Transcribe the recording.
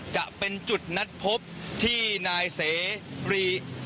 จะเป็นจุดนัดพบที่นายเสรี